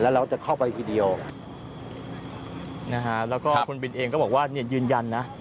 เราจะเข้าไปทีเดียวนะฮะแล้วก็คุณบินเองก็บอกว่าเนี่ยยืนยันนะ